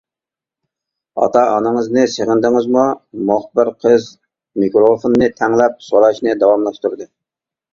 ئاتا-ئانىڭىزنى سېغىندىڭىزمۇ؟ ، -مۇخبىر قىز مىكروفوننى تەڭلەپ سوراشنى داۋاملاشتۇردى.